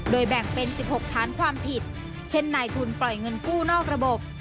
แบ่งเป็น๑๖ฐานความผิดเช่นนายทุนปล่อยเงินกู้นอกระบบ